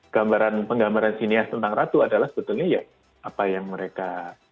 gambaran penggambaran sinias tentang ratu adalah sebetulnya ya apa yang mereka